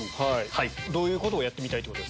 どういうことをやってみたい？